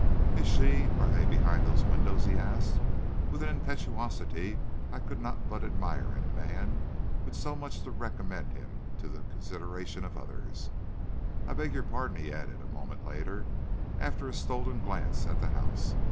"Is she are they behind those windows?" he asked, with an impetuosity I could not but admire in a man with so much to recommend him to the consideration of others. "I beg your pardon," he added, a moment later, after a stolen glance at the house.